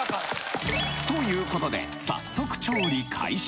という事で早速調理開始！